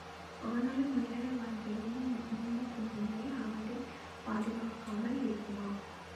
ஆனாலும், இல்லற வாழ்க்கையின் இன்ப துன்பங்கள் அவரைப் பாதிக்காமல் இருக்குமா?